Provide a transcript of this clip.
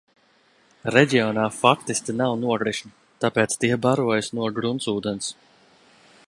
Reģionā faktiski nav nokrišņu, tāpēc tie barojas no gruntsūdens.